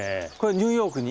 ニューヨークに。